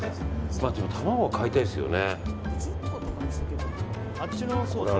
まあ、でも卵は買いたいですよね。